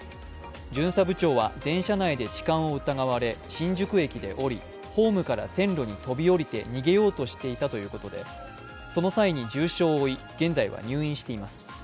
巡査部長は電車内で痴漢を疑われ、新宿駅で降りホームから線路に飛び降りて逃げようとしていたということでその際に重傷を負い、現在は入院しています。